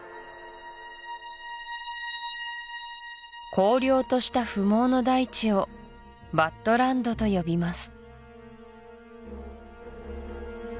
荒涼とした不毛の大地をバッドランドと呼びます